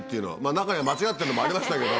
中には間違ってるのもありましたけど。